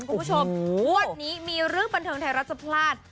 คุณผู้ชมวัดนี้มีฤทธิ์บันเทิงไทยราชพลาด